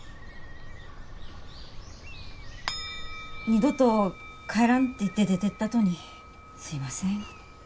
二度と帰らんって言って出てったとにすいません。